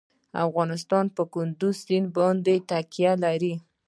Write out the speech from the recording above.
افغانستان په کندز سیند باندې تکیه لري.